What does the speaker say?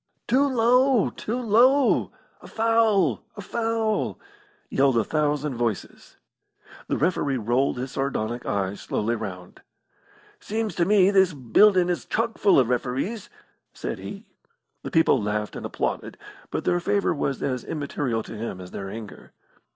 "Too low! Too low! A foul! A foul!" yelled a thousand voices. The referee rolled his sardonic eyes slowly round. "Seems to me this buildin' is chock full of referees," said he. The people laughed and applauded, but their favour was as immaterial to him as their anger.